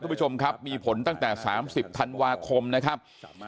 คุณผู้ชมครับมีผลตั้งแต่๓๐ธันวาคมนะครับ